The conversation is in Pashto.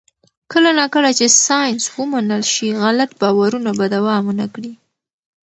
کله نا کله چې ساینس ومنل شي، غلط باورونه به دوام ونه کړي.